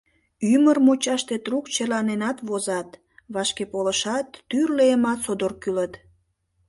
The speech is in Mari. Ӱмыр мучаште трук черланенат возат, вашкеполышат, тӱрлӧ эмат содор кӱлыт.